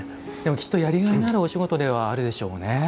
きっとやりがいのあるお仕事ではあるでしょうね。